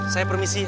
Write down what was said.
saya permisi ya